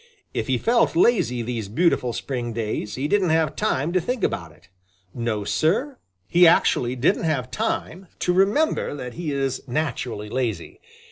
If he felt lazy these beautiful spring days, he didn't have time to think about it. No, Sir, he actually didn't have time to remember that he is naturally lazy.